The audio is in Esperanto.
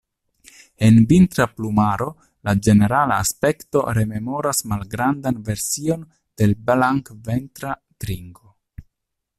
En vintra plumaro, la ĝenerala aspekto rememoras malgrandan version de Blankventra tringo.